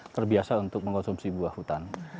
terbiasa untuk mengkonsumsi buah hutan